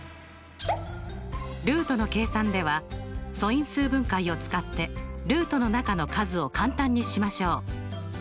ルートの計算では素因数分解を使ってルートの中の数を簡単にしましょう。